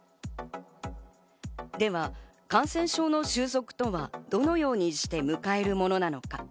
では感染症の収束とは、どのようにして迎えるものなのか。